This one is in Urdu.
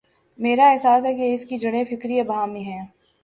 میرا احساس ہے کہ اس کی جڑیں فکری ابہام میں ہیں۔